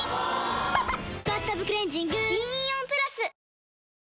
・おぉ「バスタブクレンジング」銀イオンプラス！